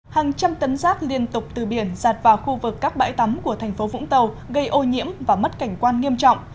hàng trăm tấn rác liên tục từ biển giặt vào khu vực các bãi tắm của thành phố vũng tàu gây ô nhiễm và mất cảnh quan nghiêm trọng